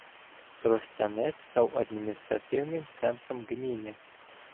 Тростянець став адміністративним центром ґміни.